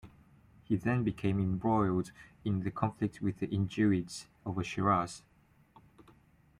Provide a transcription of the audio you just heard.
He then became embroiled in the conflict with the Injuids over Shiraz.